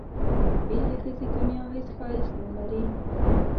بې له ښځې دنیا هېڅ ښایست نه لري.